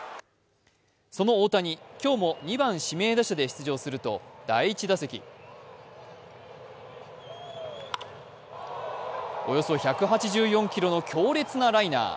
その大谷、今日も２番・指名打者で出場すると第１打席、およそ１８４キロの強烈なライナー。